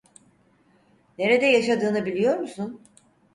Nerede yaşadığını biliyor musun?